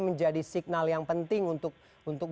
menjadi signal yang penting untuk